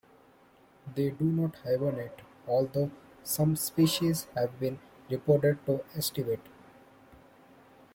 They do not hibernate, although some species have been reported to aestivate.